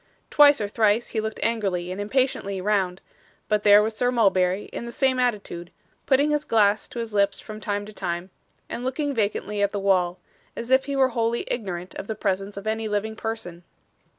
Twice or thrice he looked angrily and impatiently round; but there was Sir Mulberry in the same attitude, putting his glass to his lips from time to time, and looking vacantly at the wall, as if he were wholly ignorant of the presence of any living person.